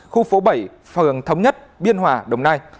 khu phố bảy phường thống nhất biên hòa đồng nai